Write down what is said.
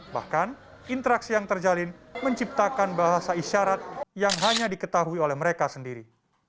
bahkan interaksi yang terjalin menciptakan bahasa isyarat yang hanya diketahui oleh mereka sendiri